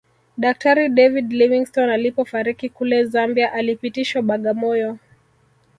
Daktari David Livingstone alipofariki kule Zambia alipitishwa Bagamoyo